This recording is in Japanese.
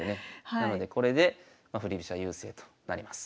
なのでこれで振り飛車優勢となります。